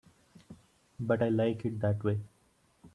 But I like it that way.